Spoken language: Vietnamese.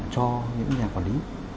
cho những nhà quản lý